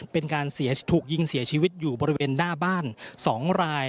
เป็นการถูกยิงเสียชีวิตอยู่บริเวณหน้าบ้าน๒ราย